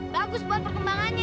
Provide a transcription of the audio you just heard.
bagus buat perkembangannya